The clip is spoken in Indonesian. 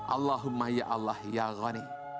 allahumma ya allah ya rani